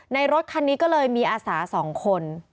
รถคันนี้ก็เลยมีอาสา๒คน